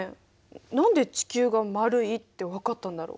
何で地球が丸いってわかったんだろう？